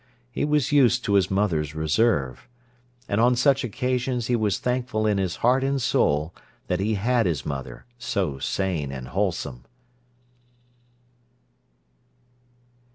He was used to his mother's reserve. And on such occasions he was thankful in his heart and soul that he had his mother, so sane and wholesome.